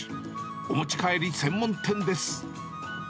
お持ち帰り専門店です。